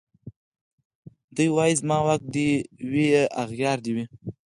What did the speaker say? دی وايي زما واک دي وي اغيار دي وي